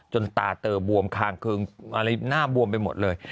จนตาเตอร์บวมคางเครื่องหน้าบวมไปหมดเลย